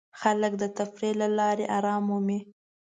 خلک د تفریح له لارې آرام مومي.